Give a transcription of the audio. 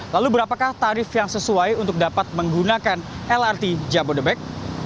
lalu berapakah tarif yang sesuai untuk dapat menggunakan lrt jabodebek